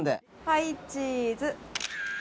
はいチーズ。